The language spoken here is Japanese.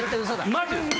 マジですよ。